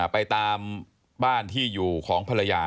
ไปตามบ้านที่อยู่ของภรรยา